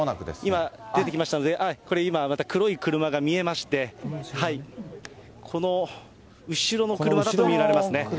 今出てきましたんで、これ、今、また黒い車が見えまして、この後ろの車だと見られますね。